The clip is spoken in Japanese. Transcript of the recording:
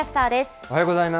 おはようございます。